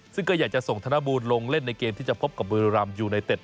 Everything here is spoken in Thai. ซึ่งก็อยากจะส่งธนบูลลงเล่นในเกมที่จะพบกับบุรีรำยูไนเต็ด